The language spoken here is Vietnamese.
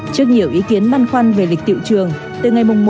trước nhiều ý kiến băn khoăn về lịch tiệu trường từ ngày một